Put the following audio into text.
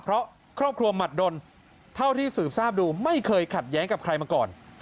เพราะครอบครัวหมัดดนเท่าที่สืบทราบดูไม่เคยขัดแย้งกับใครมาก่อน